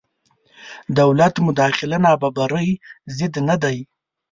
دولت مداخله نابرابرۍ ضد نه دی.